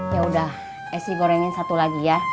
ya udah esy gorengin satu lagi ya